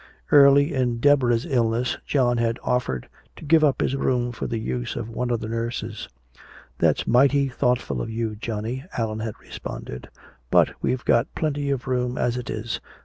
Early in Deborah's illness, John had offered to give up his room for the use of one of the nurses. "That's mighty thoughtful of you, Johnny," Allan had responded. "But we've got plenty of room as it is.